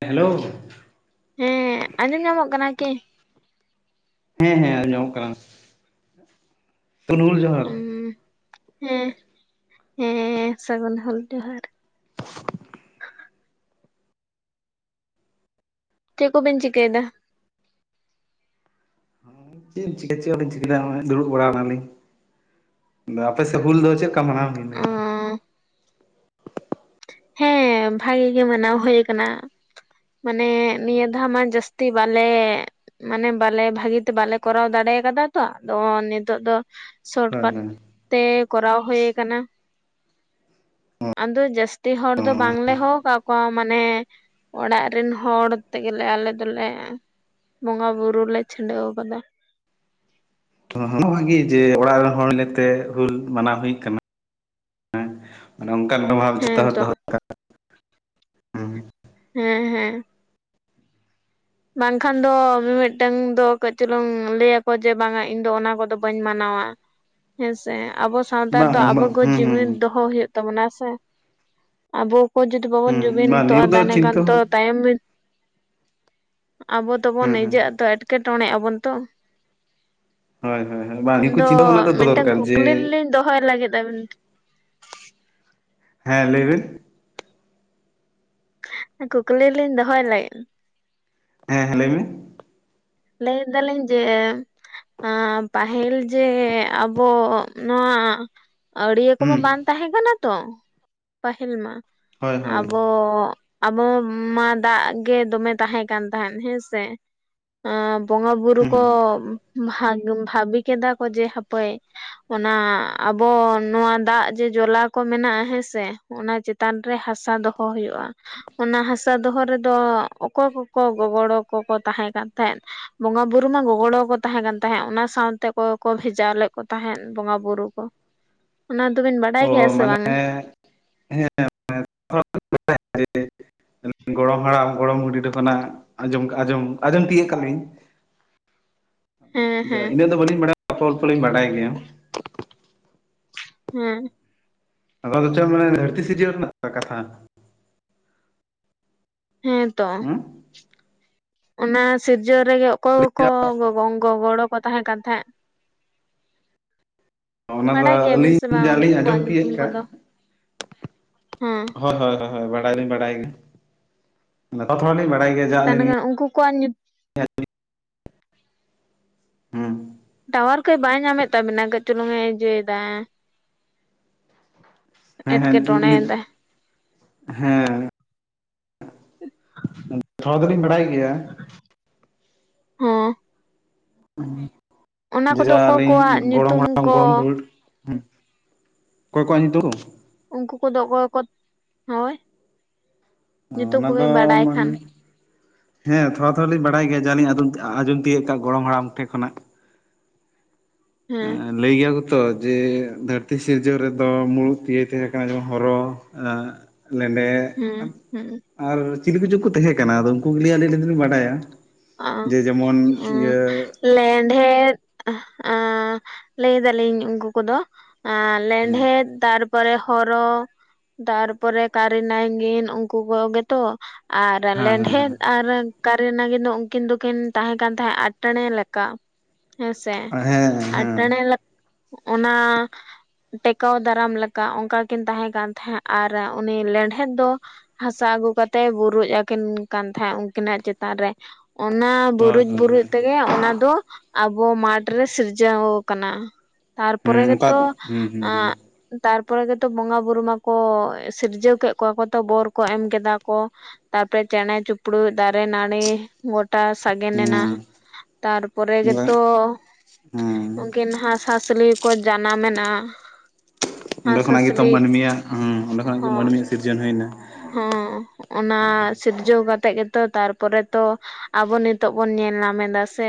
Hello ᱦᱮᱸ ᱟᱸᱡᱚᱢ ᱧᱟᱢᱚᱜ ᱠᱟᱱᱟ ᱠᱤ? ᱦᱮᱸ- ᱦᱮᱸ ᱟᱸᱡᱚᱢᱚ-ᱜ ᱠᱟᱱᱟ᱾ ᱛᱚᱱᱩᱞ ᱡᱚᱦᱟᱨ ᱦᱩᱸ ᱾ ᱦᱮᱸ, ᱦᱮᱸ, ᱦᱮᱸ, ᱦᱮᱸ ᱥᱟᱹᱜᱩᱱ ᱦᱚᱞ ᱡᱚᱦᱟᱨ᱾ ᱪᱮᱫ ᱠᱚᱵᱤᱱ ᱪᱤᱠᱟᱹᱭᱮᱫᱟ? ᱪᱮᱫ ᱮᱢ ᱪᱤᱠᱟᱹᱭᱟ᱾ ᱪᱮᱫ ᱦᱟᱸ ᱵᱟᱞᱤᱧ ᱪᱤᱠᱟᱹᱭ ᱫᱟ᱾ ᱫᱩᱲᱩᱵ ᱵᱟᱲᱟ ᱠᱟᱱᱟᱞᱤᱧ᱾ ᱟᱯᱮᱥᱮᱡ ᱦᱩᱞ ᱫᱚ ᱪᱮᱫᱠᱟ ᱢᱟᱱᱟᱣ ᱦᱩᱭᱱᱟ? ᱦ [inaudible] ᱦᱮᱸ ᱵᱷᱟᱜᱤ ᱜᱮ ᱢᱟᱱᱟᱣ ᱦᱩᱭ ᱠᱟᱱᱟ ᱢᱟᱱᱮ ᱱᱤᱭᱟᱹ ᱫᱷᱟᱣ ᱢᱟ ᱡᱟᱹᱥᱛᱤᱼᱼ ᱛᱤ ᱵᱟᱞᱮᱼᱼ ᱢᱟᱱᱮ ᱵᱟᱞᱮ ᱵᱷᱟᱹᱜᱤᱛᱮ ᱵᱟᱞᱮ ᱠᱚᱨᱟᱣ ᱫᱟᱲᱮ ᱠᱟᱫᱟ ᱛᱚ ᱟᱫᱚ ᱱᱤᱛᱚᱜ ᱫᱚᱼᱼ ᱦᱳᱭ ᱥᱚᱴᱠᱟᱴ ᱦᱳᱭ ᱛᱮ ᱠᱚᱨᱟᱣ ᱦᱳᱭ ᱠᱟᱱᱟ ᱟᱫᱚ ᱡᱟᱥᱼᱼ ᱛᱤ ᱦᱚᱲ ᱫᱚ ᱵᱟᱝᱞᱮ ᱦᱚᱦᱚ ᱠᱟᱫ ᱠᱚᱭᱟ᱾ ᱠᱚ ᱢᱟᱱᱮ ᱚᱲᱟᱜ ᱨᱮᱱ ᱦᱚᱲ ᱛᱮᱜᱮᱞᱮ ᱟᱞᱮ ᱫᱚᱞᱮᱼᱼ ᱵᱚᱸᱜᱟ ᱵᱩᱨᱩ ᱞᱮ ᱪᱷᱤᱰᱟᱹᱣ ᱟᱠᱟᱫᱟ᱾ ᱱᱚᱣᱟᱜᱤ ᱡᱮ ᱚᱲᱟᱜ ᱨᱮᱱ ᱦᱚᱲ ᱞᱮᱛᱮ ᱦᱩᱞ ᱢᱟᱱᱟᱣ ᱦᱩᱭ ᱟᱠᱟᱱᱟ᱾ ᱢᱟᱱᱮ ᱚᱱᱠᱟᱱ ᱢᱟᱱᱵᱷᱟᱵ ᱡᱚᱛᱚ ᱦᱮᱸ ᱦᱚᱲ ᱛᱚ ᱫᱚᱦᱚ ᱫᱚᱨᱠᱟᱨ [inaudible] ᱦᱮᱸ ᱦᱮᱸ᱾ ᱵᱟᱝᱠᱷᱟᱱ ᱫᱚ ᱢᱤᱢᱤᱫᱴᱟᱝ ᱫᱚ ᱠᱟᱹᱡ ᱪᱩᱞᱩᱝ ᱞᱟᱹᱭᱟᱠᱚ ᱡᱮ ᱵᱟᱝᱟ ᱤᱧ ᱫᱚ ᱚᱱᱟ ᱠᱚᱫᱚ ᱵᱟᱹᱧ ᱢᱟᱱᱟᱣᱟ᱾ ᱦᱮᱸᱥᱮ ᱟᱵᱚ ᱥᱟᱶᱛᱟᱨ ᱫᱚ ᱟᱵᱚ ᱵᱟᱝ ᱜᱮ ᱦᱩᱸ ᱦᱩᱸ ᱡᱩᱢᱤᱫ ᱫᱚᱦᱚ ᱦᱩᱭᱩᱜ᱾ ᱛᱟᱵᱚᱱᱟ ᱥᱮ ᱟᱵᱚ ᱠᱚ ᱡᱩᱫᱤ ᱵᱟᱵᱚᱱ ᱦᱩᱸ ᱵᱟᱝ ᱱᱤᱭᱟᱹ ᱡᱩᱢᱤᱫᱚᱜᱼᱟ ᱠᱚᱫᱚ ᱛᱟᱦᱚᱞᱮ ᱠᱷᱟᱱ ᱪᱤᱱᱛᱟᱹ ᱛᱚ ᱦᱚᱸ ᱛᱟᱭᱚᱢᱼᱼ ᱟᱵᱚ ᱫᱚᱵᱚᱱ ᱦᱩᱸ ᱦᱩᱸ ᱱᱤᱡᱟᱜ-ᱟ ᱛᱚ ᱮᱸᱴᱠᱮᱴᱚᱬᱮᱜ-ᱟ ᱟᱵᱚᱱ ᱛᱚ᱾ ᱦᱳᱭ ᱦᱳᱭ ᱦᱳᱭ ᱵᱟᱝ ᱱᱤᱭᱟᱹ ᱠᱚ ᱫᱚ ᱪᱤᱱᱛᱟᱹ ᱵᱷᱟᱵᱽᱱᱟ ᱫᱚᱦᱚ ᱢᱤᱫᱴᱟᱝ ᱫᱚᱨᱠᱟᱨ ᱡᱮ ᱠᱩᱠᱞᱤ ᱞᱤᱧ ᱫᱚᱦᱚᱭ ᱞᱟᱹᱜᱤᱫ ᱟᱵᱤᱱᱼᱼ ᱦᱮᱸ ᱞᱟᱹᱭᱵᱤᱱ᱾ ᱠᱩᱠᱞᱤ ᱞᱤᱧ ᱫᱚᱦᱚᱭ ᱞᱟᱹᱜᱤᱫ᱾ ᱦᱮᱸ ᱦᱮᱸ ᱞᱟᱹᱭ ᱢᱮ᱾ ᱞᱟᱹᱭ ᱫᱟᱞᱤᱧ ᱡᱮᱼᱼ ᱯᱟᱦᱤᱞ ᱡᱮ ᱟᱵᱚ ᱱᱚᱣᱟᱼᱼ ᱟᱹᱲᱤᱭᱟᱹ ᱠᱚᱢᱟ ᱦᱩᱸ ᱵᱟᱝ ᱛᱟᱦᱮᱸ ᱠᱟᱱᱟ ᱛᱚ ᱯᱟᱹᱦᱤᱞ ᱢᱟ ᱦᱳᱭ ᱦᱳᱭ ᱟᱵᱚᱼᱼ ᱟᱵᱚ ᱢᱟ ᱫᱟᱜ ᱜᱮ ᱫᱚᱢᱮ ᱛᱟᱦᱮᱸ ᱠᱟᱱ ᱛᱟᱦᱮᱸᱱ ᱦᱮᱸᱥᱮᱼᱼ ᱟ ᱵᱚᱸᱜᱟ ᱵᱩᱨᱩ ᱠᱚ ᱦᱩᱸ ᱵᱷᱟ ᱵᱷᱟᱵᱤ ᱠᱮᱫᱟ ᱠᱚ ᱡᱮ ᱦᱟᱯᱳᱭ, ᱚᱱᱟ ᱟᱵᱚ ᱱᱚᱣᱟ ᱫᱟᱜ ᱡᱮ ᱡᱚᱞᱟ ᱠᱚ ᱢᱮᱱᱟᱜᱼᱟ ᱦᱮᱸᱥᱮ᱾ ᱚᱱᱟ ᱪᱮᱛᱟᱱ ᱨᱮ ᱦᱟᱥᱟ ᱫᱚᱦᱚ ᱦᱩᱭᱩᱜᱼᱟ᱾ ᱚᱱᱟ ᱦᱟᱥᱟ ᱫᱚᱦᱚ ᱨᱮᱫᱚ ᱚᱠᱚᱭ ᱠᱚᱠᱚ ᱜᱚᱜᱚᱲᱚ ᱠᱚ ᱛᱟᱦᱮᱸ ᱠᱟᱱ ᱛᱟᱦᱮᱸᱫ? ᱵᱚᱸᱜᱟ ᱵᱩᱨᱩ ᱢᱟ ᱜᱚᱜᱚᱲᱚ ᱠᱚ ᱛᱟᱦᱮᱸ ᱠᱟᱱ ᱛᱟᱦᱮᱸᱫ ᱚᱱᱟ ᱥᱟᱶᱛᱮ ᱚᱠᱭ ᱠᱚ ᱠᱚ ᱵᱷᱮᱡᱟ ᱞᱮᱫ ᱠᱚ ᱛᱟᱦᱮᱸᱫ ᱵᱚᱸᱜᱟ ᱵᱩᱨᱩ ᱠᱚ᱾ [unintelligible] ᱚᱱᱟ ᱫᱚᱵᱤᱱ ᱵᱟᱲᱟᱼᱼ ᱚ ᱢᱟᱱᱮ ᱦᱮᱸ [inaudible] ᱜᱚᱲᱚᱢ ᱦᱟᱲᱟᱢ ᱜᱚᱲᱚᱢ ᱵᱩᱰᱷᱤ ᱠᱷᱚᱱᱟᱜ ᱟᱸᱡᱚᱢ ᱟᱸᱡᱚᱢ ᱟᱸᱡᱚᱢ ᱛᱤᱭᱳᱜ ᱠᱟᱜ ᱞᱤᱧ᱾ ᱦᱮᱸ ᱦᱮᱸ ᱤᱱᱟᱹ ᱫᱚ ᱵᱟᱹᱞᱤᱧ ᱵᱟᱲᱟᱭᱟ ᱚᱞᱯᱚᱼᱯᱚ ᱞᱤᱧ ᱵᱟᱰᱟᱭ ᱜᱮᱭᱟ᱾ ᱦᱩᱸ ᱟᱫᱚ ᱫᱚ ᱪᱚᱝ ᱢᱟᱱᱮ ᱫᱷᱟᱹᱨᱛᱤ ᱥᱤᱨᱡᱟᱹᱣ ᱨᱮᱱᱟᱜ ᱠᱟᱛᱷᱟ᱾ ᱦᱮᱸ ᱛᱚ ᱦᱮᱸ ᱚᱱᱟᱼᱼ ᱥᱤᱨᱡᱟᱹᱣ ᱨᱮᱜᱮ ᱚᱠᱚᱭ ᱠᱚ ᱜᱚ ᱜᱚᱲᱚ ᱠᱚ ᱛᱟᱦᱮᱸ ᱠᱟᱱ ᱛᱟᱦᱮᱸᱫᱼᱼ ᱚᱱᱟ ᱫᱚ ᱵᱟᱰᱟᱭ ᱜᱮᱭᱟᱵᱤᱱ ᱟᱹᱞᱤᱧ ᱥᱮ ᱵᱟᱝ ᱩᱱᱠᱩ ᱡᱟᱞᱤᱧ ᱠᱚᱣᱟᱜ ᱟᱸᱡᱚᱢ ᱛᱤᱭᱳᱜ ᱧᱩᱛᱩᱢ ᱠᱟᱜ ᱠᱚᱫᱚ ᱦᱮᱸ᱾ ᱦᱳᱭ ᱦᱳᱭ ᱦᱳᱭ ᱵᱟᱰᱟᱭ ᱞᱤᱧ ᱵᱟᱰᱟᱭ ᱜᱮᱭᱟ ᱱᱚᱝᱠᱟ ᱛᱷᱚᱲᱟ ᱛᱷᱚᱲᱟ ᱞᱤᱧ ᱵᱟᱲᱟᱭ ᱜᱮᱭᱟ᱾ ᱛᱟᱦᱚᱞᱮ ᱢᱟ ᱩᱱᱠᱩ ᱠᱚᱣᱟᱜ ᱧᱩᱛᱩᱢ᱾ ᱦᱮᱸ [inaudible] ᱦᱮᱸ ᱴᱟᱣᱟᱨ ᱠᱟᱹᱡ ᱵᱟᱭ ᱧᱟᱢᱮᱫ ᱛᱟᱵᱤᱱᱟ ᱠᱟᱹᱡ ᱪᱩᱞᱩᱝ ᱮ ᱤᱡᱟᱹᱭᱮᱫᱟᱭ᱾ ᱦᱮᱸ ᱦᱮᱸ ᱱᱤᱛ ᱮᱴᱠᱮᱴᱚᱬᱮᱭᱮᱫᱟ ᱦᱮᱸ, [unintelligible] ᱛᱷᱚᱲᱟ ᱫᱚᱞᱤᱧ ᱵᱟᱲᱟᱭ ᱜᱮᱭᱟ᱾ ᱦᱮᱸ, ᱚᱱᱟ ᱠᱚᱫᱚ ᱡᱮᱡᱟ ᱚᱠᱚᱭ ᱟᱹᱞᱤᱧ ᱠᱚᱣᱟᱜ ᱜᱚᱲᱚᱢ ᱧᱩᱛᱩᱢ ᱦᱟᱲᱟᱢ ᱠᱚ ᱜᱚᱲᱚᱢ ᱵᱩᱲ, ᱦᱩᱸ ᱚᱠᱚᱭ ᱠᱚᱭᱟᱜ ᱧᱤᱛᱩᱢ ᱩᱱᱠᱩ ᱠᱚᱫᱚ ᱚᱠᱚᱭ ᱠᱚᱫ ᱦᱳᱭ᱾ ᱦᱚᱸ ᱧᱩᱛᱩᱢ ᱚᱱᱟ ᱫᱚ ᱠᱚᱵᱤᱱ ᱵᱟᱰᱟᱭ ᱠᱷᱟᱱ ᱢᱟᱱᱮ, ᱦᱮᱸ ᱛᱷᱚᱲᱟ ᱛᱷᱚᱲᱟ ᱞᱤᱧ ᱵᱟᱰᱟᱭ ᱜᱮᱭᱟ ᱡᱟᱞᱤᱧ ᱟᱸᱫᱚᱢ ᱟᱸᱡᱚᱢ ᱛᱤᱭᱳᱜ ᱠᱟᱜ ᱜᱚᱲᱚᱢ ᱦᱟᱲᱟᱢ ᱴᱷᱮᱜ ᱠᱷᱚᱱᱟᱜ᱾ ᱦᱮᱸ, ᱞᱟᱹᱭ ᱜᱮᱭᱟ ᱠᱚ ᱛᱚ ᱡᱮ ᱫᱷᱟᱹᱨᱛᱤ ᱥᱤᱨᱡᱟᱹᱣ ᱨᱮᱫᱚ ᱢᱩᱲᱩᱛ ᱛᱤᱭᱳ ᱛᱟᱦᱮᱸ ᱠᱟᱱᱟ ᱡᱮᱢᱚᱱ ᱦᱚᱨᱚ᱾ ᱮᱸ ᱞᱮᱸᱰᱮᱛ ᱦᱮᱸ ᱦᱮᱸ ᱟᱨ ᱪᱤᱞᱤ ᱠᱚᱪᱩ ᱠᱚ ᱛᱟᱦᱮᱸ ᱠᱟᱱᱟ ᱟᱫᱚ ᱩᱱᱠᱩ ᱜᱮ ᱟᱹᱞᱤᱧ ᱫᱚᱞᱤᱧ ᱵᱟᱰᱟᱭᱟ᱾ ᱚᱸ ᱡᱮ ᱡᱮᱢᱚᱱ ᱤᱭᱟᱹ ᱞᱮᱸᱰᱷᱮᱫ ᱟᱸ ᱞᱟᱹᱭ ᱫᱟᱞᱤᱧ ᱩᱱᱠᱩ ᱠᱚᱫᱚ ᱟᱸ ᱦᱮᱸ ᱞᱮᱸᱰᱷᱮᱛ ᱛᱟᱨ ᱛᱟᱨᱯᱚᱨᱮ ᱦᱚᱨᱚ ᱛᱟᱨᱯᱚᱨᱮ ᱠᱟᱨᱤ ᱱᱟᱭᱜᱤᱱ ᱩᱱᱠᱩ ᱠᱚ ᱜᱮᱛᱚ᱾ ᱟᱨ ᱞᱮᱸᱰᱷᱮᱛ ᱦᱮᱸ ᱟᱨ ᱠᱟᱹᱨᱤ ᱱᱟᱜᱤᱱ ᱫᱚ, ᱩᱱᱠᱤᱱ ᱫᱚᱠᱤᱱ ᱛᱟᱦᱮᱸ ᱠᱟᱱ ᱛᱟᱦᱮᱸᱫ ᱟᱴᱮᱬᱮ ᱞᱮᱠᱟ᱾ ᱦᱮᱸ ᱥᱮ ᱦᱮᱸ ᱦᱮᱸ ᱦᱮᱸ ᱦᱮᱸ ᱟᱸᱴᱮᱬᱮ ᱞᱮᱜ ᱚᱱᱟ, ᱴᱮᱠᱟᱣ ᱫᱟᱨᱟᱢ ᱞᱮᱠᱟ ᱚᱱᱠᱟ ᱠᱤᱱ ᱛᱟᱦᱮᱸ ᱠᱟᱱ ᱛᱟᱦᱮᱸᱫ ᱟᱨ ᱩᱱᱤ ᱞᱮᱸᱰᱷᱮᱫ ᱫᱚ, ᱦᱟᱥᱟ ᱟᱹᱜᱩ ᱠᱟᱛᱮ ᱵᱩᱨᱩᱡ ᱟᱹᱠᱤᱱ ᱠᱟᱱ ᱛᱟᱦᱮᱸᱫ ᱩᱱᱠᱤᱱᱟᱜ ᱪᱮᱛᱟᱱ ᱨᱮ᱾ ᱚᱱᱟ ᱦᱳᱭ ᱵᱩᱨᱩᱡ ᱦᱳᱭ ᱵᱩᱨᱩᱡ ᱦᱳᱭ ᱛᱮᱜᱮ ᱚᱱᱟ ᱫᱚ, ᱟᱵᱚ ᱢᱟᱴᱷ ᱨᱮ ᱥᱤᱨᱡᱟᱹᱣ ᱠᱟᱱᱟ ᱦᱮᱸ ᱛᱟᱨᱯᱚᱨᱮ ᱚᱱᱠᱟ ᱜᱮᱛᱚ ᱦᱩᱸ ᱦᱩᱸ ᱟᱸ ᱛᱟᱨᱯᱚᱨᱮ ᱜᱮᱛᱚ ᱵᱚᱸᱜᱟ ᱵᱩᱨᱩ ᱢᱟᱠᱚ ᱥᱤᱨᱡᱟᱹᱣ ᱠᱮᱜ ᱠᱚᱣᱟ ᱠᱚ ᱛᱚ ᱵᱳᱨ ᱠᱚ ᱮᱢ ᱠᱮᱫᱟ ᱠᱚ, ᱛᱟᱨᱯᱚᱨᱮ ᱪᱮᱬᱮ ᱪᱩᱯᱲᱩᱭ ᱫᱟᱨᱮ ᱱᱟᱹᱲᱤ, ᱜᱚᱴᱟ ᱥᱟᱜᱮᱱᱮᱱᱟ ᱦᱩᱸ ᱛᱟᱨᱯᱚᱨᱮ ᱦᱩᱸ ᱦᱮᱸ ᱜᱮᱛᱚ, ᱩᱱᱠᱤᱱ ᱦᱟᱸᱥᱼ ᱦᱟᱸᱥᱞᱤ ᱠᱚ ᱡᱟᱱᱟᱢᱮᱱᱟ, ᱚᱸᱰᱮ ᱠᱷᱚᱱᱟᱜ ᱜᱮᱛᱚ ᱢᱟᱹᱱᱢᱤᱭᱟᱜ ᱚᱸᱰᱮ ᱠᱷᱚᱱᱟᱜ ᱜᱮ ᱦᱚᱸ ᱢᱟᱹᱱᱢᱤᱭᱟᱜ ᱥᱤᱨᱡᱚᱱ ᱦᱩᱭᱱᱟ᱾ ᱦᱚᱸ ᱚᱱᱟ ᱥᱤᱨᱡᱟᱹᱣ ᱠᱟᱛᱮᱜ ᱜᱮᱛᱚ ᱛᱟᱨᱯᱚᱨᱮ ᱛᱚ, ᱟᱵᱚ ᱱᱤᱛᱚᱜ ᱵᱚᱱ ᱧᱮᱞ ᱧᱟᱢ ᱮᱫᱟ ᱥᱮ᱾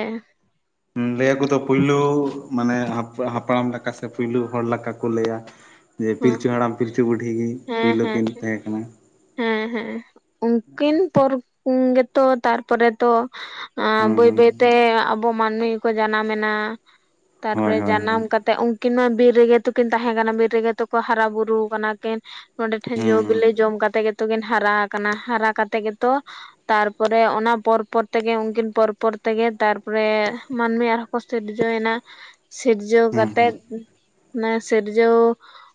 ᱞᱟᱹᱭ ᱟᱠᱚ ᱛᱚ ᱯᱳᱭᱞᱳ ᱢᱟᱱᱮ ᱦᱟᱯᱲᱟᱢ ᱞᱮᱠᱟ ᱥᱮ ᱯᱳᱭᱞᱳ ᱦᱚᱲ ᱞᱮᱠᱟ ᱠᱚ ᱞᱟᱹᱭᱟ, ᱡᱮ ᱦᱮᱸ ᱯᱤᱞᱪᱩ ᱦᱟᱲᱟᱢ ᱯᱤᱞᱪᱩ ᱵᱩᱰᱷᱤ ᱜᱮ ᱦᱮᱸ ᱯᱩᱭᱞᱟᱹ ᱦᱮᱸ ᱠᱤᱱ ᱛᱟᱦᱮᱸ ᱠᱟᱱᱟ᱾ ᱦᱮᱸ ᱦᱮᱸ ᱩᱱᱠᱤᱱ ᱯᱚᱨ ᱜᱮᱛᱚ ᱛᱟᱨᱯᱚᱨᱮ ᱛᱚ, ᱦᱩᱸ ᱵᱟᱹᱭ ᱵᱟᱹᱭ ᱛᱮ ᱦᱩᱸ ᱟᱵᱚ ᱢᱟᱹᱱᱢᱤᱠᱚ ᱡᱟᱱᱟᱢ ᱮᱱᱟ ᱦᱳᱭ ᱛᱟᱨᱯᱚᱨᱮ ᱦᱳᱭ ᱡᱟᱱᱟᱢ ᱦᱳᱭ ᱠᱟᱛ ᱛᱮᱜ ᱩᱱᱠᱤᱱ ᱢᱟ ᱵᱤᱨ ᱨᱮᱜᱮ ᱛᱚᱠᱤᱱ ᱛᱟᱦᱮᱸ ᱠᱟᱱᱟ ᱵᱤᱨ ᱨᱮᱜᱮ ᱛᱚᱠᱚ ᱦᱟᱨᱟ ᱵᱩᱨᱩ ᱠᱟᱱᱟ᱾ ᱠᱤᱱ ᱱᱚᱰᱮ ᱴᱷᱮᱱ ᱡᱚᱼ ᱦᱩᱸ ᱵᱤᱞᱤ ᱡᱚᱢ ᱠᱟᱛᱮᱜ ᱜᱮᱛᱚ ᱠᱤᱱ ᱦᱟᱨᱟ ᱟᱠᱟᱱᱟ ᱦᱟᱨᱟ ᱠᱟᱛᱮᱜ ᱜᱮᱛᱚ, ᱛᱟᱨᱯᱚᱨᱮ ᱚᱱᱟ ᱯᱚᱨ ᱯᱚᱨ ᱛᱮᱜᱮ ᱩᱱᱠᱤᱱ ᱯᱚᱨ ᱯᱚᱨ ᱛᱮᱜᱮ ᱛᱟᱨᱯᱚᱨᱮ ᱢᱟᱹᱱᱢᱤ ᱟᱨ, ᱠᱚ ᱥᱤᱨᱡᱟᱣᱮᱱᱟ᱾ ᱥᱤᱨᱡᱟᱹᱣ ᱦᱩᱸ ᱠᱟᱛᱮᱜ ᱦᱩᱸ ᱚᱱᱮ ᱥᱤᱨᱡᱟᱹᱣ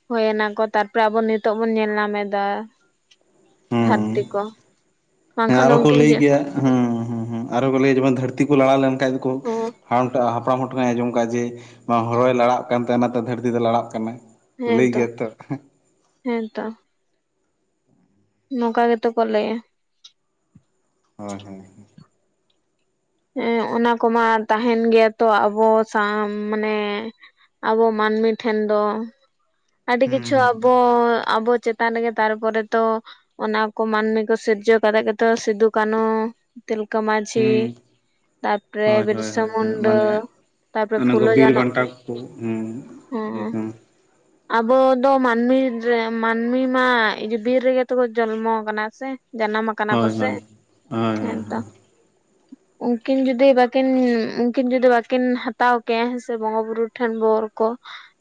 ᱦᱩᱭ ᱱᱟᱠᱚ ᱛᱟᱨ ᱯᱚᱨᱮ ᱟᱵᱚ ᱱᱤᱛᱚᱜ ᱵᱚᱱ ᱧᱮᱞ ᱧᱟᱢᱮᱫᱟ ᱦᱩᱸ ᱫᱷᱟᱹᱨᱛᱤ ᱠᱚ᱾ ᱦᱮᱸ ᱵᱟᱝᱠᱷᱟᱱ ᱫᱚ ᱟᱨᱚ ᱠᱚ ᱩᱱᱠᱤᱱ ᱞᱟᱹᱭ ᱠᱮᱭᱟ ᱦᱩᱸ ᱦᱩᱸ ᱟᱨᱚ ᱠᱚ ᱞᱟᱹᱭᱟ ᱡᱮᱢᱚᱱ ᱫᱷᱟᱹᱨᱛᱤ ᱠᱚ ᱞᱟᱲᱟ ᱞᱮᱱᱠᱷᱟᱭ ᱫᱚᱠᱚ, ᱦᱟᱲᱟᱢ ᱴᱟᱜ ᱦᱟᱯᱲᱟᱢ ᱦᱚᱲ ᱴᱷᱮᱱᱱᱟᱜᱮ ᱟᱸᱡᱚᱢ ᱠᱟᱜᱼᱟ ᱡᱮ ᱵᱟᱝ ᱦᱚᱨᱚᱭ ᱞᱟᱲᱟᱜ ᱠᱟᱱ ᱛᱟᱦᱮᱱᱟᱛᱚ ᱫᱷᱟᱹᱨᱛᱤ ᱫᱚ ᱞᱟᱲᱟᱜ ᱠᱟᱱᱟ᱾ ᱞᱟᱹᱭ ᱦᱮᱸᱛᱚ ᱜᱮᱭᱟ ᱛᱚ ᱦᱮᱸᱛᱚ᱾ ᱱᱚᱝᱠᱟ ᱜᱮᱛᱚ ᱠᱚ ᱞᱟᱹᱭᱟ, ᱦᱚᱭ ᱦᱚᱭ ᱦᱮᱸ ᱚᱱᱟ ᱠᱚᱢᱟ ᱛᱟᱦᱮᱱ ᱜᱮᱭᱟ ᱛᱚ ᱟᱵᱚ ᱥᱟᱶ ᱢᱟᱱᱮ, ᱟᱵᱚ ᱢᱟᱹᱱᱢᱤ ᱴᱷᱮᱱ ᱫᱚ ᱟᱹᱰᱤ ᱦᱩᱸ ᱠᱤᱪᱷᱩ ᱦᱩᱸ ᱟᱵᱚ ᱟᱵᱚ ᱪᱮᱛ, ᱛᱟᱱ ᱨᱮᱜᱮ ᱛᱟᱨᱯᱚᱨᱮ ᱛᱚ ᱚᱱᱟ ᱠᱚ ᱢᱟᱹᱱᱢᱤ ᱠᱚ ᱥᱤᱨᱡᱟᱹᱣ ᱠᱟᱛᱮᱜ ᱜᱮᱛᱚ ᱥᱤᱫᱩ ᱠᱟᱹᱱᱦᱩ ᱛᱤᱞᱠᱟᱹ ᱢᱟᱺᱡᱷᱤ ᱦᱩᱸ ᱦᱳᱭ ᱦᱳᱭ ᱦᱳᱭ, ᱦᱚᱭ ᱢᱟᱱᱮᱜ ᱛᱟᱨᱯᱚᱨᱮ ᱚᱱᱮ ᱜᱚ ᱯᱷᱩᱞᱳ ᱵᱤᱨ ᱡᱷᱟᱱᱚ ᱵᱟᱱᱴᱟ ᱠᱚ ᱦᱮᱸ ᱦᱩᱸ [unintelligible] ᱟᱵᱚ ᱫᱚ ᱢᱟᱹᱱᱢᱤ ᱨᱮ ᱢᱟᱹᱱᱢᱤ ᱢᱟ ᱡᱩᱫᱤᱨ ᱨᱮᱜᱮ ᱛᱚᱵᱚ ᱡᱚᱱᱢᱚ ᱟᱠᱟᱱᱟ ᱥᱮ ᱡᱟᱱᱟᱢ ᱟᱠ- ᱠᱟᱱᱟ ᱠᱚ ᱦᱳᱭ ᱥᱮ ᱦᱳᱭ ᱦᱳᱭ ᱦᱳᱭ ᱦᱮᱸᱱ ᱛᱚ᱾ ᱩᱸᱠᱤᱱ ᱡᱩᱫᱤ ᱵᱟᱹᱠᱤᱱ, ᱩᱸᱠᱤᱱ ᱡᱩᱫᱤ ᱵᱟᱹᱠᱤᱱ ᱦᱟᱛᱟᱣ ᱠᱮᱭᱟ ᱦᱮᱸ ᱥᱮ ᱵᱚᱸᱜᱟ ᱵᱩᱨᱩ ᱴᱷᱮᱱ ᱵᱳᱨ ᱠᱚ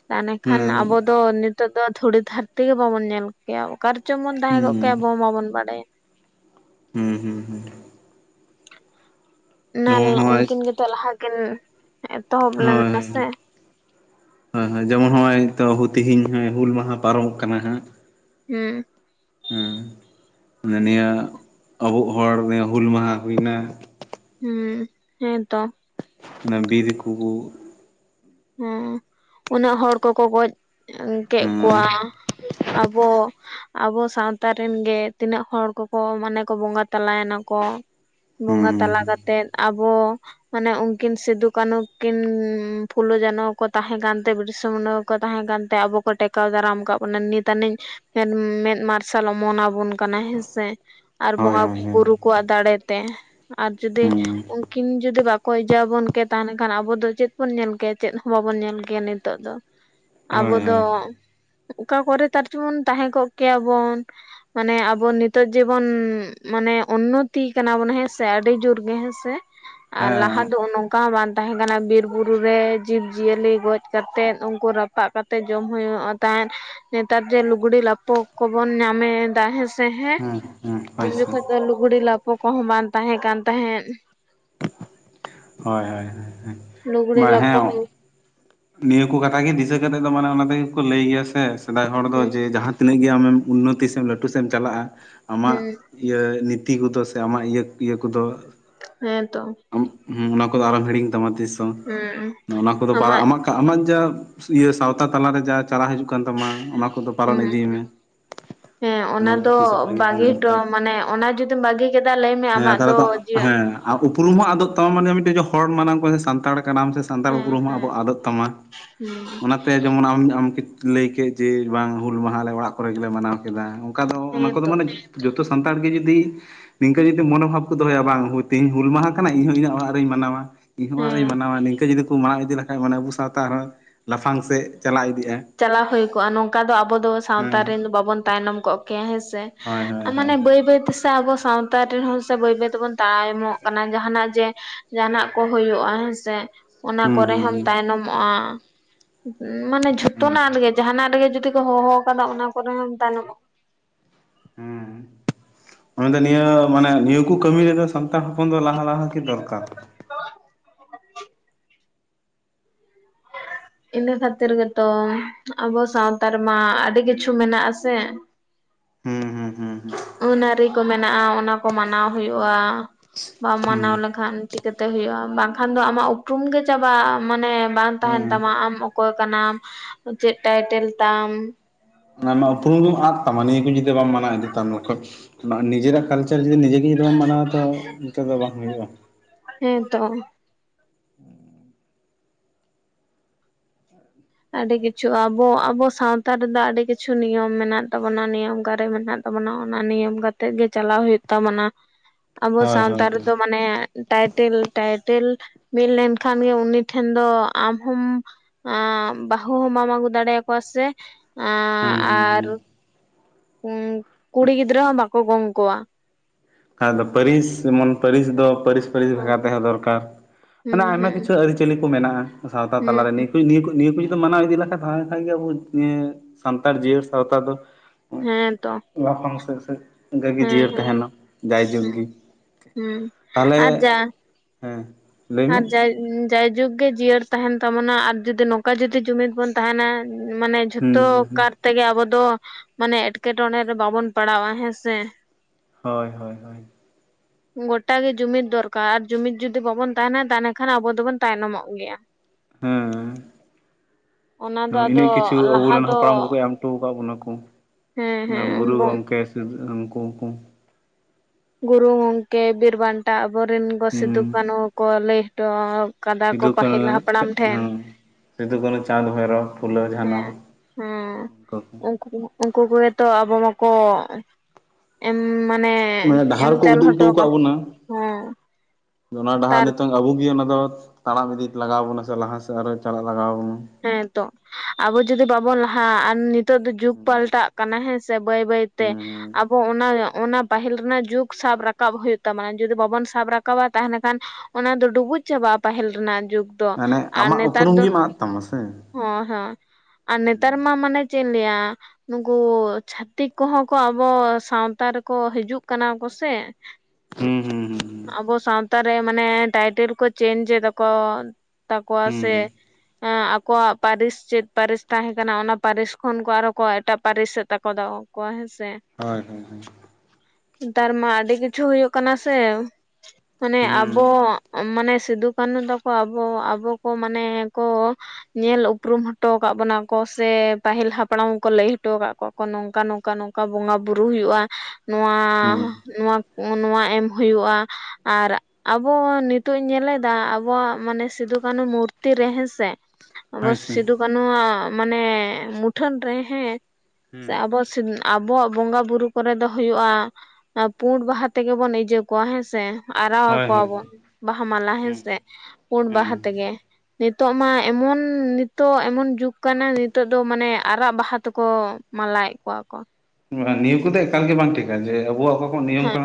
ᱫᱟ ᱮᱱᱮᱠᱷᱟᱱ ᱦᱮᱸ ᱟᱵᱚ ᱫᱚ ᱱᱤᱛᱳᱜ ᱫᱚ ᱫᱷᱩᱲᱤ ᱫᱷᱟᱹᱨᱛᱤ ᱜᱮ ᱵᱟᱵᱚᱱ ᱧᱮᱞ ᱠᱮᱭᱟ, ᱚᱠᱟᱨᱮ ᱪᱚᱝ ᱵᱚᱱ ᱛᱟᱦᱮᱸ ᱦᱩᱸ ᱠᱚᱜ ᱠᱮᱭᱟ, ᱟᱵᱚ ᱦᱚᱸ ᱢᱟᱵᱚᱱ ᱵᱟᱰᱟᱭᱟ᱾ ᱦᱩᱸ ᱦᱩᱸ ᱦᱩᱸ, ᱱᱟᱞ ᱡᱮᱢᱚᱱ ᱦᱚᱸᱜᱼᱚᱭ ᱩᱸᱠᱤᱱ ᱜᱮᱛᱚ ᱞᱟᱦᱟᱠᱤᱱ ᱦᱳᱭ ᱦᱳᱭ, ᱦᱳᱭ ᱦᱳᱭ ᱡᱮᱢᱚᱱ ᱦᱚᱸᱜᱼᱚᱭ ᱛᱚ ᱦᱩ ᱛᱮᱦᱮᱧ ᱦᱮᱸ ᱦᱩᱞ ᱢᱟᱦᱟ ᱯᱟᱨᱚᱢᱚᱜ ᱠᱟᱱᱟ ᱦᱟᱸᱜ, ᱦᱩᱸ, ᱦᱩᱸ ᱢᱟᱱᱮ ᱱᱤᱭᱟᱹ ᱟᱵᱚᱜ ᱦᱚᱲ ᱱᱤᱭᱟᱹ ᱦᱩᱞ ᱢᱟᱦᱟ ᱦᱩᱭ ᱮᱱᱟ ᱦᱩᱸ, ᱦᱮᱸᱛᱚ᱾ ᱚᱱᱟ ᱵᱤᱨᱤ ᱠᱚ ᱦᱚᱸ ᱩᱱᱟᱹᱜ ᱦᱚᱲ ᱠᱚᱠᱚ ᱜᱚᱡ ᱮᱸ ᱠᱮᱫ ᱦᱩᱸ ᱠᱚᱣᱟ, ᱟᱵᱚ ᱟᱵᱚ ᱥᱟᱶᱛᱟ ᱨᱮᱱ ᱜᱮ ᱛᱤᱱᱟᱹᱜ ᱦᱚᱲ ᱠᱚᱠᱚ ᱢᱟᱱᱮ ᱠᱚ ᱵᱚᱸᱜᱟ ᱛᱟᱞᱟᱭᱮᱱᱟ ᱠᱚ, ᱵᱚᱸᱜᱟ ᱦᱩᱸ ᱛᱟᱞᱟ ᱠᱟᱛᱮᱫ ᱟᱵᱚ ᱢᱟᱱᱮ ᱩᱸᱠᱤᱱ ᱥᱤᱫᱷᱩᱼᱠᱟᱹᱱᱦᱩ ᱠᱤᱱ ᱯᱷᱩᱞᱳ ᱡᱟᱱᱚ ᱠᱚ ᱛᱟᱦᱮᱸ ᱠᱟᱱᱛᱮ ᱵᱤᱴᱤᱥ ᱥᱚᱢᱚᱱᱚ ᱠᱚ ᱛᱟᱦᱮᱸ ᱠᱟᱱᱛᱮ ᱟᱵᱚ ᱠᱚ ᱴᱮᱠᱟᱣ ᱫᱟᱨᱟᱢ ᱟᱠᱟᱜ ᱵᱚᱱᱟ ᱱᱤᱛ ᱟᱹᱱᱤᱡ, ᱢᱮᱫ, ᱢᱮᱫ ᱢᱟᱨᱥᱟᱞ ᱚᱢᱚ ᱱᱟᱵᱚᱱ ᱠᱟᱱᱟ ᱦᱮᱸᱥᱮ᱾ ᱟᱨ ᱦᱳᱭ ᱵᱚᱸᱜᱟ ᱠᱩ ᱦᱳᱭ ᱦᱳᱭ ᱵᱩᱨᱩ ᱠᱚᱣᱟᱜ ᱫᱟᱲᱮ ᱛᱮ᱾ ᱟᱨ ᱡᱩᱫᱤ ᱦᱩᱸ ᱩᱱᱠᱤᱱ ᱡᱩᱫᱤ ᱵᱟᱠᱚ ᱤᱡᱟ ᱵᱚᱱ ᱠᱮ ᱛᱟ ᱦᱮᱱᱮ ᱠᱷᱟᱱ, ᱟᱵᱚ ᱫᱚ ᱪᱮᱫ ᱵᱚᱱ ᱧᱮᱞ ᱠᱮᱭᱟ, ᱪᱮᱫ ᱦᱚᱸ ᱵᱟᱵᱚᱱ ᱧᱮᱞ ᱜᱮᱭᱟ ᱱᱤᱛᱚᱜ ᱫᱚ, ᱟᱵᱚ ᱦᱳᱭ ᱫᱚ ᱦᱳᱭ ᱚᱠᱟ ᱠᱚᱨᱮ ᱛᱟᱨ ᱪᱚᱵᱚᱱ ᱛᱟᱦᱮᱸ ᱠᱚᱜ ᱠᱮᱭᱟ ᱵᱚᱱ᱾ ᱢᱟᱱᱮ ᱟᱵᱚ ᱱᱤᱛᱚᱜ ᱡᱤᱢᱚᱱ ᱢᱟᱱᱮ ᱚᱱᱱᱚᱛᱤ ᱠᱟᱱᱟ ᱵᱚᱱ ᱦᱮᱸᱥᱮ ᱟᱹᱰᱤ ᱡᱩᱨ ᱜᱮ ᱦᱮᱸᱥ, ᱟᱨ ᱞᱟᱦᱟ ᱦᱮᱸ ᱫᱚ ᱚ ᱱᱚᱝᱠᱟ ᱵᱟᱝ ᱛᱟᱦᱮᱸ ᱠᱟᱱᱟ ᱵᱤᱨ ᱵᱩᱨᱩ ᱨᱮ, ᱡᱤᱵᱽ ᱡᱤᱭᱟᱹᱞᱤ ᱜᱚᱡ ᱠᱟᱛᱮᱫ ᱩᱱᱠᱩ ᱨᱟᱯᱟᱜ ᱠᱟᱛᱮ ᱡᱚᱢ ᱦᱩᱭᱩᱜᱼᱟ ᱛᱟᱦᱮᱸᱫ, ᱱᱮᱛᱟᱨ ᱡᱮ ᱞᱩᱜᱽᱲᱤ ᱞᱟᱯᱚ ᱠᱚᱵᱚᱱ ᱧᱟᱢ ᱮᱻᱮᱫᱟ ᱦᱮᱸᱥᱮ ᱦᱮᱸ, ᱦᱩᱸ ᱦᱩᱸ ᱩᱱ ᱦᱳᱭ ᱥᱮ ᱡᱚᱠᱷᱚᱡ ᱫᱚ ᱞᱩᱜᱽᱲᱤ ᱞᱟᱯᱚ ᱠᱚᱦᱚᱸ ᱵᱟᱝ ᱛᱟᱦᱮᱸ ᱠᱟᱱ ᱛᱟᱦᱮᱸᱫ᱾ ᱦᱳᱭ ᱦᱳᱭ ᱦᱳᱭ, ᱦᱚᱭ᱾ ᱞᱩᱜᱽᱲᱤ ᱞᱟᱯᱚ ᱦᱚᱸ᱾ ᱱᱤᱭᱟᱹ ᱠᱚ ᱠᱟᱛᱷᱟ ᱜᱮ ᱫᱤᱥᱟᱹ ᱠᱟᱛᱮᱫ ᱫᱚ ᱢᱟᱱᱮ ᱚᱱᱟ ᱛᱮᱜᱮ ᱠᱚ ᱞᱟᱹᱭ ᱜᱮᱭᱟ ᱥᱮ ᱥᱮᱫᱟᱭ ᱦᱚᱲ ᱫᱚ ᱦᱩᱸ ᱡᱮ ᱡᱟᱦᱟᱸ ᱛᱤᱱᱟᱹᱜ ᱜᱮ ᱟᱢᱮᱢ ᱩᱱᱱᱚᱛᱤ ᱥᱮ ᱞᱟᱹᱴᱩ ᱥᱮᱫ ᱮᱢ ᱪᱟᱞᱟᱜᱼᱟ, ᱟᱢᱟᱜ ᱦᱩᱸ ᱤᱭᱟᱹ ᱱᱤᱛᱤ ᱠᱚᱫᱚ ᱥᱮ ᱟᱢᱟᱜ ᱤᱭᱟᱹᱠ ᱤᱭᱟᱹ ᱠᱚᱫᱚ ᱦᱮᱸ ᱛᱚ᱾ ᱟᱢ, ᱦᱩᱸ ᱚᱱᱟ ᱠᱚᱫᱚ ᱟᱞᱚᱢ ᱦᱤᱲᱤᱝ ᱛᱟᱢᱟ ᱛᱤᱥ ᱦᱚᱸ, ᱦᱩᱸ ᱚᱱᱮ ᱚᱱᱟ ᱠᱚᱫᱚ ᱵᱟ ᱟᱢᱟᱜ ᱠᱟᱼᱼ ᱟᱢᱟᱜ ᱡᱟᱵᱽ ᱤᱭᱟᱹ ᱥᱟᱶᱛᱟ ᱛᱟᱞᱟᱨᱮ ᱡᱟ ᱪᱟᱞᱟᱣ ᱦᱤᱡᱩᱜ ᱠᱟᱱ ᱛᱟᱢᱟ, ᱚᱱᱟ ᱠᱚᱫᱚ ᱯᱟᱞᱚᱱ ᱦᱩᱸ ᱤᱫᱤ ᱭᱮᱢᱮ᱾ [inaudible] ᱦᱮᱸ ᱚᱱᱟ ᱫᱚᱻᱜ ᱵᱟᱜᱤ ᱦᱚᱴᱚᱼᱟᱢ ᱢᱟᱱᱮ ᱚᱱᱟ ᱡᱩᱫᱤᱢ ᱵᱟᱜᱤ ᱠᱮᱫᱟ ᱞᱟᱹᱭ ᱢᱮ ᱟᱢᱟᱜ ᱫᱚ ᱡᱤᱭᱚᱱ ᱟᱸ ᱩᱯᱨᱩᱢ ᱦᱚᱸ ᱟᱫᱚᱜ ᱛᱟᱢᱟ ᱢᱟᱱᱮ ᱢᱤᱫᱴᱮᱡ ᱦᱚᱲ ᱢᱟᱱᱟᱝ ᱠᱚᱣᱟ ᱥᱮ ᱥᱟᱱᱛᱟᱲ ᱠᱟᱱᱟᱢ ᱥᱮ ᱥᱟᱱᱛᱟᱲ ᱦᱮᱸ ᱩᱯᱨᱩᱢ ᱦᱚᱸ ᱦᱮᱸ ᱟᱵᱚ ᱟᱫᱚᱜ ᱛᱟᱢᱟ, ᱦᱩᱸ ᱚᱱᱟ ᱛᱮ ᱡᱮᱢᱚᱱ ᱟᱢ ᱟᱢ ᱞᱟᱹᱭ ᱠᱮᱫ ᱡᱮ ᱵᱟᱝ ᱦᱩᱞ ᱢᱟᱦᱟ ᱟᱞᱮ ᱚᱲᱟᱜ ᱠᱚᱨᱮ ᱜᱮᱞᱮ ᱢᱟᱱᱟᱣ ᱠᱮᱫᱟ ᱚᱱ ᱠᱟ ᱫᱚ ᱚᱱᱠᱟ ᱫᱚ ᱚᱱᱟ ᱦᱮᱸ ᱠᱚᱫᱚ ᱛᱚ ᱢᱟᱱᱮ ᱡᱷᱚᱛᱚ ᱥᱟᱱᱛᱟᱲ ᱜᱮ ᱡᱩᱫᱤ ᱱᱤᱝᱠᱟᱹ ᱡᱩᱫᱤ ᱢᱚᱱᱳᱵᱷᱟᱵᱽ ᱠᱚ ᱫᱚᱦᱚᱭᱟ ᱵᱟᱝ ᱛᱮᱦᱮᱧ ᱦᱩᱞ ᱢᱟᱦᱟ ᱠᱟᱱᱟ ᱤᱧᱦᱚᱸ ᱤᱧᱟᱹᱜ ᱚᱲᱟᱜ ᱨᱤᱧ ᱢᱟᱱᱟᱣᱟ᱾ ᱤᱧᱦᱚᱸ ᱚᱲᱟᱜ ᱨᱮᱧ ᱦᱮᱸ ᱢᱟᱱᱟᱣᱟ ᱱᱤᱝᱠᱟᱹ ᱡᱩᱫᱤ ᱠᱚ ᱢᱟᱱᱟᱣ ᱤᱫᱤ ᱞᱮᱠᱷᱟᱡ ᱢᱟᱱᱮ ᱟᱵᱚ ᱥᱟᱶᱛᱟ ᱟᱨᱦᱚᱸ ᱞᱟᱯᱷᱟᱝ ᱥᱮᱫ ᱪᱟᱞᱟᱣ ᱤᱫᱤᱜᱼᱟ᱾ ᱪᱟᱞᱟᱣ ᱦᱩᱭ ᱠᱚᱜᱼᱟ ᱱᱚᱝᱠᱟ ᱫᱚ ᱟᱵᱚ ᱫᱚ ᱥᱟᱶᱛᱟ ᱦᱮᱸ ᱨᱮᱱ ᱵᱟᱵᱚᱱ ᱛᱟᱭᱱᱚᱢ ᱠᱚᱜ ᱠᱮᱭᱟ ᱦᱮᱸᱥᱮ? ᱦᱳᱭ ᱦᱳᱭ ᱦᱳᱭ ᱢᱟᱱᱮ ᱵᱟᱹᱭ ᱵᱟᱹᱭ ᱛᱮ ᱥᱮ ᱟᱵᱚ ᱥᱟᱶᱛᱟ ᱨᱮᱱ ᱦᱚᱲ ᱥᱮ ᱵᱟᱹᱭ ᱵᱟᱹᱭ ᱛᱮᱵᱚᱱ ᱛᱟᱭᱚᱢᱚᱜ ᱠᱟᱱᱟ ᱡᱟᱦᱟᱸᱱᱟᱜ ᱡᱮ ᱡᱟᱦᱟᱸᱱᱟᱜ ᱠᱚ ᱦᱩᱭᱩᱜᱼᱟ ᱦᱮᱸᱥᱮ ᱚᱱᱟ ᱦᱩᱸ ᱠᱚᱨᱮ ᱦᱩᱸ ᱦᱚᱸᱢ ᱛᱟᱭᱱᱚᱢᱚᱜᱼᱟ᱾ ᱢᱟᱱᱮ ᱦᱩᱸ ᱦᱩᱸ ᱡᱷᱚᱛᱚᱱᱟᱜ ᱨᱮᱜᱮ ᱡᱟᱦᱟᱸᱱᱟᱜ ᱨᱮᱜᱮ ᱡᱩᱫᱤ ᱠᱚ ᱦᱚᱦᱚᱣᱟᱠᱟᱫᱟ ᱚᱱᱟ ᱠᱚᱨᱮ ᱦᱚᱸᱢ ᱛᱟᱱᱚᱢᱚᱜ ᱦᱩᱸ᱾ ᱚᱱᱟᱫᱚ ᱱᱤᱭᱟᱹ ᱢᱟᱱᱮ ᱱᱤᱭᱟᱹ ᱠᱚ ᱠᱟᱹᱢᱤ ᱨᱮᱫᱚ ᱥᱟᱱᱛᱟᱲ ᱦᱚᱯᱚᱱ ᱫᱚ ᱞᱟᱦᱟ ᱞᱟᱦᱟ ᱜᱮ ᱫᱚᱨᱠᱟᱨ᱾ [unintelligible] [inaudible] ᱤᱱᱟᱹ ᱠᱷᱟᱛᱤᱨ ᱜᱮᱛᱚ ᱟᱵᱚ ᱥᱟᱶᱛᱟ ᱨᱮᱢᱟ ᱟᱰᱤ ᱠᱤᱪᱷᱩ ᱢᱮᱱᱟᱜ ᱟᱥᱮ, ᱦᱩᱸ ᱦᱩᱸ ᱦᱩᱸ ᱦᱩᱸ᱾ ᱟᱹᱱᱼᱟᱹᱨᱤ ᱠᱚ ᱢᱮᱱᱟᱜᱼᱟ ᱚᱱᱟ ᱠᱚ ᱢᱟᱱᱟᱣ ᱦᱩᱭᱩᱜᱼᱟ ᱵᱟᱢ ᱢᱟᱱᱟᱣ ᱦᱩᱸ ᱞᱮᱠᱷᱟᱱ ᱪᱤᱠᱟᱹᱛᱮ ᱦᱩᱭᱩᱜᱼᱟ ᱵᱟᱝᱠᱷᱟᱱ ᱫᱚ ᱟᱢᱟᱜ ᱩᱯᱨᱩᱢ ᱜᱮ ᱪᱟᱵᱟᱜᱼᱟ, ᱢᱟᱱᱮ ᱵᱟᱝ ᱦᱩᱸ ᱛᱟᱦᱮᱱ ᱦᱩᱸ ᱛᱟᱢᱟ ᱟᱢ ᱚᱠᱚᱭ ᱠᱟᱱᱟᱢ ᱪᱮᱫ ᱴᱟᱭᱴᱮᱞ ᱛᱟᱢ ᱚᱱᱟ ᱟᱢᱟᱜ ᱩᱯᱨᱩᱢ ᱜᱮᱢ ᱟᱫ ᱛᱟᱢᱟ ᱱᱤᱭᱟᱹ ᱠᱚ ᱡᱩᱫᱤ ᱵᱟᱢ ᱢᱟᱱᱟᱣ ᱤᱫᱤ ᱛᱟᱢ ᱞᱮᱠᱷᱟᱡ ᱱᱤᱡᱮᱨᱟᱜ ᱠᱟᱞᱼᱼ ᱱᱤᱡᱮᱜᱮ ᱡᱩᱫᱤ ᱵᱟᱢ ᱢᱟᱱᱟᱣᱟ ᱛᱚ ᱱᱤᱛᱚ ᱫᱚ ᱵᱟᱝ ᱦᱩᱭᱩᱜᱼᱟ᱾ ᱦᱮᱸ ᱛᱚ᱾ [inaudible] ᱟᱹᱰᱤ ᱠᱤᱪᱷᱩ ᱟᱵᱚ ᱟᱵᱚ ᱥᱟᱶᱛᱟ ᱨᱮᱫᱚ ᱟᱰᱤ ᱠᱤᱪᱷᱩ ᱱᱤᱭᱚᱢ ᱢᱮᱱᱟᱜ ᱛᱟᱵᱚᱱᱟ ᱱᱤᱭᱚᱢ ᱠᱟᱨᱮ ᱢᱮᱱᱟᱜ ᱛᱟᱵᱚᱱᱟ ᱚᱱᱟ ᱱᱤᱭᱚᱢ ᱠᱟᱛᱮᱜ ᱜᱮ ᱪᱟᱞᱟᱜ ᱦᱩᱭᱩᱜ ᱛᱟᱵᱚᱱᱟ᱾ [inaudible] ᱟᱵᱚ ᱥᱟᱶᱛᱟ ᱦᱳᱭ ᱨᱮᱫᱚ ᱢᱟᱱᱮ ᱴᱟᱭᱴᱮᱞ ᱴᱟᱭᱴᱮᱞ ᱢᱤᱫ ᱞᱮᱱᱠᱷᱟᱱ ᱜᱮ ᱩᱱᱤ ᱴᱷᱮᱱ ᱫᱚ ᱟᱢ ᱦᱚᱸᱢ ᱟᱸᱢ ᱵᱟᱦᱩ ᱦᱚᱸ ᱵᱟᱢ ᱟᱜᱩ ᱫᱟᱲᱮᱭᱟ ᱠᱚᱣᱟ ᱥᱮ ᱟᱸ ᱦᱩᱸ ᱦᱩᱸ ᱟᱨ ᱦᱩᱸ ᱩᱝ ᱠᱩᱲᱤ ᱜᱤᱫᱽᱨᱟᱹ ᱦᱚᱸ ᱵᱟᱠᱚ ᱜᱚᱝ ᱠᱚᱣᱟ᱾ ᱟᱫᱚ ᱯᱟᱨᱤᱥ ᱡᱮᱢᱚᱱ ᱯᱟᱨᱤᱥ ᱫᱚ ᱯᱟᱨᱤᱥ ᱯᱟᱨᱤᱥ ᱦᱩᱸ ᱵᱷᱮᱜᱟᱨ ᱛᱟᱦᱮᱸ ᱫᱚᱨᱠᱟᱨ ᱢᱟᱱᱮ ᱟᱭᱢᱟ ᱦᱩᱸ ᱠᱤᱪᱷᱩ ᱟᱹᱨᱤᱼᱪᱟᱹᱞᱤ ᱠᱚ ᱢᱮᱱᱟᱜᱼᱟ ᱥᱟᱶᱛᱟ ᱦᱩᱸ ᱛᱟᱞᱟᱨᱮ ᱦᱩᱸ ᱱᱤᱭᱟᱹ ᱱᱤᱭᱟᱹ ᱠᱚ ᱡᱩᱫᱤᱢ ᱢᱟᱱᱟᱣ ᱤᱫᱤ ᱛᱟᱦᱮᱱ ᱠᱷᱟᱡ ᱜᱮ ᱟᱵᱚ ᱮᱸᱜ ᱥᱟᱱᱛᱟᱲ ᱡᱤᱭᱟᱹᱲ ᱥᱟᱶᱛᱟ ᱫᱚ ᱦᱮᱸ ᱛᱚ ᱞᱟᱯᱷᱟᱝ ᱥᱮᱫ ᱥᱮᱫ ᱚᱝᱠᱟᱜᱮ ᱡᱤᱭᱟᱹᱲ ᱛᱟᱦᱮᱸᱱᱟ᱾ ᱦᱩᱸ ᱦᱩᱸ ᱛᱟᱦᱚᱞᱮ ᱟᱨᱡᱟ ᱦᱮᱸ ᱞᱟᱹᱭ ᱢᱮ ᱟᱨᱡᱟ ᱡᱟᱭᱡᱩᱜᱽ ᱜᱮ ᱡᱤᱭᱟᱹᱲ ᱛᱟᱦᱮᱸᱱ ᱛᱟᱵᱚᱱᱟ ᱟᱨ ᱡᱩᱫᱤ ᱱᱚᱝᱠᱟ ᱡᱩᱫᱤ ᱡᱩᱢᱤᱫ ᱵᱚᱱ ᱛᱟᱦᱮᱸᱱᱟ ᱢᱟᱱᱮ ᱦᱩᱸ ᱡᱷᱚᱛᱚ ᱦᱩᱸ ᱦᱩᱸ ᱠᱟᱨ ᱛᱮᱜᱮ ᱟᱵᱚ ᱫᱚ ᱢᱟᱱᱮ ᱮᱴᱠᱮᱴᱚᱬᱮ ᱨᱮ ᱵᱟᱵᱚᱱ ᱯᱟᱲᱟᱣᱟ ᱦᱮᱸᱥᱮ? ᱦᱳᱭ ᱦᱳᱭ ᱦᱳᱭ᱾ ᱜᱚᱴᱟᱜᱮ ᱡᱩᱢᱤᱫ ᱫᱚᱨᱠᱟᱨ ᱟᱨ ᱡᱩᱢᱤᱫ ᱡᱩᱫᱤ ᱵᱟᱵᱚᱱ ᱛᱟᱦᱮᱸᱱᱟ ᱛᱟᱦᱞᱮ ᱠᱷᱟᱱ ᱟᱵᱚ ᱫᱚᱵᱚᱱ ᱛᱟᱭᱱᱚᱢᱚᱜ ᱜᱮᱭᱟ᱾ ᱦᱮᱸ ᱚᱱᱟ ᱱᱚ ᱫᱚ ᱟᱫᱚ ᱤᱱᱟᱹᱜ ᱠᱤᱪᱷᱩ ᱞᱟᱦᱟ ᱟᱵᱚᱨᱮᱱ ᱫᱚ ᱦᱟᱯᱲᱟᱢ ᱠᱚᱠᱚ ᱮᱢ ᱦᱚᱴᱚᱣ ᱠᱟᱜ ᱵᱚᱱᱟ ᱠᱚ ᱦᱮᱸ ᱦᱮᱸ ᱜᱩᱨᱩ ᱜᱚᱢᱠᱮ ᱥᱤ ᱩᱝᱠᱩ ᱩᱝᱠᱩ ᱜᱩᱨᱩ ᱜᱚᱝᱠᱮ ᱵᱤᱨᱼᱵᱟᱸᱱᱴᱟ ᱟᱵᱚᱨᱮᱱ ᱜᱚ ᱥᱤᱫᱩ, ᱦᱩᱸ ᱠᱟᱹᱱᱩ ᱠᱚ ᱞᱟᱹᱭ ᱴᱚᱣ ᱠᱟᱫᱟ ᱠᱚ ᱥᱤᱫᱩ ᱯᱟᱹᱦᱤᱞ ᱠᱟᱹᱱᱩ ᱦᱟᱯᱲᱟᱢ ᱴᱷᱮᱱ ᱦᱩᱸ ᱥᱤᱫᱩ, ᱠᱟᱹᱱᱦᱩ, ᱪᱟᱸᱫᱽ, ᱵᱷᱚᱭᱨᱚᱵ ᱯᱷᱩᱞᱚ, ᱡᱷᱟᱱᱚ ᱦᱮᱸ ᱠᱚ ᱩᱝᱠᱩ ᱠᱚᱜᱮᱛᱚ ᱟᱵᱚ ᱢᱟᱠᱚ ᱮᱢ ᱢᱟᱱᱮ ᱢᱟᱱᱮ ᱮᱢ ᱰᱟᱦᱟᱨ ᱠᱚ ᱪᱟᱞ ᱩᱫᱩᱜ ᱦᱚᱴᱚ ᱟᱠᱟᱫ ᱠᱟᱜ ᱵᱚᱱᱟ, ᱦᱮᱸ ᱚᱱᱟ ᱰᱟᱦᱟᱨ ᱛᱟᱨ ᱱᱤᱛᱚᱝ ᱟᱵᱩ ᱜᱮ ᱚᱱᱟ ᱫᱚ ᱛᱟᱲᱟᱢ ᱤᱫᱤ ᱞᱟᱜᱟᱣ ᱵᱚᱱᱟ ᱥᱮ ᱞᱟᱦᱟ ᱥᱮᱫ ᱟᱨᱚ ᱪᱟᱞᱟᱜ ᱞᱟᱜᱟᱣ ᱵᱚᱱᱟ ᱾ ᱦᱮᱸᱛᱚ, ᱟᱵᱚ ᱡᱩᱫᱤ ᱵᱟᱵᱚᱱ ᱞᱟᱦᱟᱜᱼᱟ ᱟᱨ ᱱᱤ ᱛᱚᱜ ᱫᱚ ᱡᱩᱜᱽ ᱦᱩᱸ ᱯᱟᱞᱴᱟᱜ ᱠᱟᱱᱟ ᱦᱮᱸ ᱥᱮ ᱵᱟᱹᱭ ᱵᱟᱹᱭᱛᱮ, ᱦᱩᱸ ᱟᱵᱚ ᱚᱱᱟᱭ ᱚᱱᱟ ᱯᱟᱹᱦᱤᱞ ᱨᱮᱱᱟᱜ ᱡᱩᱜᱽ ᱥᱟᱵ ᱨᱟᱠᱟᱵ ᱦᱩᱭᱩᱜ ᱛᱟᱢᱟ, ᱡᱩᱫᱤ ᱵᱟᱵᱚᱱ ᱥᱟᱵ ᱨᱟᱠᱟᱵᱟ ᱛᱟᱦᱚᱞᱮ ᱠᱷᱟᱱ ᱚᱱᱟ ᱫᱚ ᱰᱩᱵᱩᱡ ᱪᱟᱵᱟᱜᱼᱟ ᱯᱟᱦᱤᱞ ᱨᱮᱱᱟᱜ ᱡᱩᱜᱽ ᱾ ᱢᱟᱱᱮ ᱟᱢᱟᱜ ᱩᱯᱨᱩᱢ ᱜᱮ ᱟᱫ ᱛᱟᱢᱟ ᱥᱮ ᱾ ᱦᱳᱭ ᱦᱳᱭ, ᱟᱨ ᱱᱮᱛᱟᱨ ᱢᱟ ᱢᱟᱱᱮ ᱪᱮᱫ ᱤᱧ ᱞᱟᱹᱭᱟ! ᱱᱩᱠᱩ ᱪᱷᱟᱛᱤᱠ ᱠᱚᱦᱚᱸ ᱠᱚ ᱟᱵᱚ ᱥᱟᱶᱛᱟ ᱨᱮᱠᱚ ᱦᱤᱡᱩᱜ ᱠᱟᱱᱟ ᱠᱚᱥᱮ ᱾ ᱦᱩᱸ ᱦᱩᱸ ᱾ ᱟᱵᱚ ᱥᱟᱶᱛᱟᱨᱮ ᱢᱟᱱᱮ ᱴᱟᱭᱴᱮᱞ ᱠᱚ ᱪᱮᱧᱡ ᱮ ᱛᱟᱠᱚ ᱾ ᱛᱟᱠᱚᱣᱟ ᱥᱮ ᱦᱩᱸ ᱮᱸ ᱟᱠᱚᱣᱟᱜ ᱯᱟᱹᱨᱤᱥ ᱪᱮᱫ ᱯᱟᱹᱨᱤᱥ ᱛᱟᱦᱮᱸ ᱠᱟᱱᱟ ᱚᱱᱟ ᱯᱟᱹᱨᱤᱥ ᱠᱷᱚᱱ ᱠᱚ ᱟᱨᱚ ᱠᱚ ᱮᱴᱟᱜ ᱯᱟᱹᱨᱤᱥ ᱥᱮᱫ ᱛᱟᱠᱚ ᱫᱟᱣ ᱠᱚᱣᱟ ᱦᱮᱸ ᱥᱮ ᱾ ᱦᱳᱭ ᱦᱳᱭ ᱦᱳᱭ ᱾ ᱱᱮᱛᱟᱨ ᱢᱟ ᱟᱹᱰᱤ ᱠᱤᱪᱷᱩ ᱦᱩᱭᱩᱜ ᱠᱟᱱᱟ ᱥᱮ ᱾ ᱢᱟᱱᱮ ᱦᱩᱸ ᱟᱵᱚ ᱢᱟᱱᱮ ᱥᱤᱫᱩ ᱠᱟᱹᱱᱩ ᱛᱟᱠᱚ ᱟᱵᱚ ᱟᱵᱚ ᱠᱚ ᱢᱟᱱᱮ ᱠᱚ ᱧᱮᱞ ᱩᱯᱨᱩᱢ ᱦᱚᱴᱚ ᱟᱠᱟᱫ ᱵᱚᱱᱟ ᱠᱚ ᱥᱮ ᱯᱟᱹᱦᱤᱞ ᱦᱟᱯᱲᱟᱢ ᱠᱚ ᱞᱟᱹᱭ ᱦᱚᱴᱚ ᱟᱠᱟᱜ ᱠᱚᱣᱟ ᱱᱚᱝᱠᱟ ᱱᱚᱝᱠᱟ ᱱᱚᱝᱠᱟ ᱵᱚᱸᱜᱟ ᱵᱩᱨᱩ ᱦᱩᱭᱩᱜᱼᱟ ᱾ ᱱᱚᱣᱟ ᱦᱩᱸ ᱱᱚᱣᱟ ᱱᱚᱣᱟ ᱮᱢ ᱦᱩᱭᱩᱜᱼᱟ ᱟᱨ ᱟᱵᱚ ᱱᱤᱛᱚᱜ ᱤᱧ ᱧᱮᱞᱮᱫᱟ ᱟᱵᱚᱣᱟᱜ ᱢᱟᱱᱮ ᱥᱤᱫᱩ ᱠᱟᱹᱱᱦᱩ ᱢᱩᱨᱛᱤ ᱨᱮ, ᱦᱮᱸᱥᱮ! ᱦᱳᱭ ᱟᱵᱚᱥ ᱥᱮ ᱥᱤᱫᱩ ᱠᱟᱹᱱᱩᱣᱟᱜ ᱢᱟᱱᱮ ᱢᱩᱴᱷᱟᱹᱱ ᱨᱮ ᱦᱮᱸ ᱦᱩᱸ ᱥᱮ ᱟᱵᱚᱥ ᱥᱤᱱ ᱟᱵᱚᱣᱟᱜ ᱵᱚᱸᱜᱟ ᱵᱩᱨᱩ ᱠᱚᱨᱮ ᱫᱚ ᱦᱩᱭᱩᱜᱼᱟ ᱟᱸ ᱯᱩᱸᱰ ᱵᱟᱦᱟ ᱛᱮᱜᱮ ᱵᱚᱱ ᱤᱭᱟᱹ ᱠᱚᱣᱟ ᱦᱮᱸ ᱥᱮ ᱟᱨᱟᱣ ᱦᱳᱭ ᱟᱠᱚᱣᱟ ᱦᱳᱭ ᱵᱚᱱ ᱵᱟᱦᱟ ᱢᱟᱞᱟ ᱦᱮᱸ ᱥᱮ ᱦᱩᱸ ᱯᱩᱸᱰ ᱵᱟᱦᱟ ᱛᱮᱜᱮ ᱾ ᱱᱤᱛᱚᱜ ᱢᱟ ᱮᱢᱚᱱ ᱱᱤᱛᱚᱜ ᱮᱢᱚᱱ ᱡᱩᱜᱽ ᱠᱟᱱᱟ ᱱᱤᱛᱚᱜ ᱫᱚ ᱢᱟᱱᱮ ᱟᱨᱟᱜ ᱵᱟᱦᱟ ᱛᱮᱠᱚ ᱢᱟᱞᱟᱭᱮᱫ ᱠᱚᱣᱟ ᱠᱚ ᱾ ᱱᱤᱭᱟᱹ ᱠᱚᱫᱚ ᱮᱠᱟᱞᱜᱮ ᱵᱟᱝ ᱴᱷᱤᱠᱟ ᱡᱮ ᱟᱵᱚᱣᱟᱜ ᱚᱠᱟ ᱠᱚ ᱱᱤᱭᱚᱢ ᱠᱟᱱᱟ,